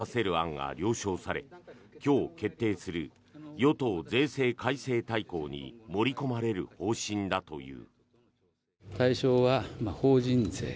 最終的に３つの税目を組み合わせる案が了承され今日決定する与党税制改正大綱に盛り込まれる方針だという。